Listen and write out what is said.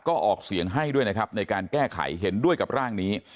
ก็ออกเสียงให้ด้วยนะครับในการแก้ไขเห็นด้วยกับร่างนี้